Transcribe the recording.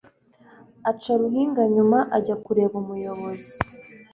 Aca ruhinga nyuma ajya kureba umuyobozi